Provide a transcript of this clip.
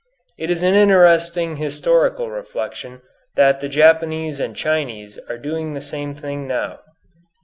It is an interesting historical reflection that the Japanese and Chinese are doing the same thing now.